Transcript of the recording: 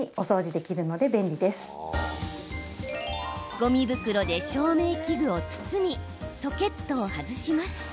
ごみ袋で照明器具を包みソケットを外します。